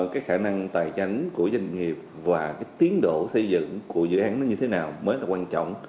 cái khả năng tài chánh của doanh nghiệp và cái tiến độ xây dựng của dự án nó như thế nào mới là quan trọng